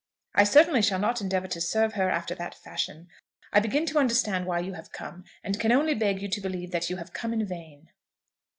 I certainly shall not endeavour to serve her after that fashion. I begin to understand why you have come, and can only beg you to believe that you have come in vain."